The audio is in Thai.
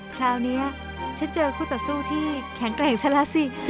คราวนี้ฉันเจอคู่ต่อสู้ที่แข็งแกร่งซะแล้วสิ